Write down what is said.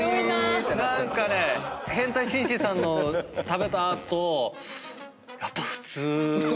何かね変態紳士さんの食べた後やっぱ普通が。